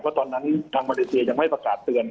เพราะตอนนั้นทางมาเลเซียยังไม่ประกาศเตือน